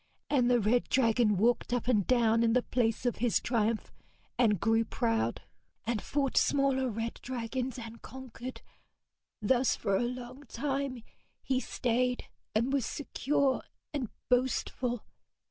And the red dragon walked up and down in the place of his triumph, and grew proud, and fought smaller red dragons and conquered. Thus for a long time he stayed, and was secure and boastful.